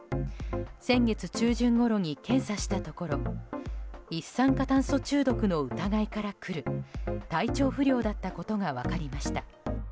先月中旬ごろに検査したところ一酸化炭素中毒の疑いから来る体調不良だったことが分かりました。